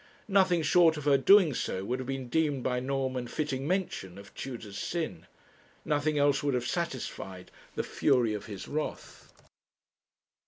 Nothing short of her doing so would have been deemed by Norman fitting mention of Tudor's sin; nothing else would have satisfied the fury of his wrath.